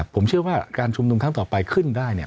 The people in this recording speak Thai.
ผมเชื่อว่าการชุมนุมครั้งต่อไปขึ้นได้เนี่ย